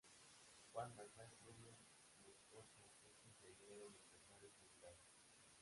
Juan Manuel Rubio Moscoso es ingeniero y empresario jubilado.